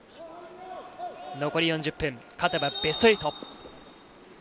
残り４０分、勝てばベスト８。